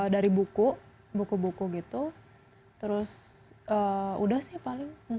dari buku buku buku gitu terus udah sih paling